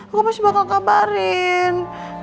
aku pasti bakal kabarin